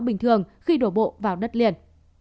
bình thường khi đổ bộ vào đất liền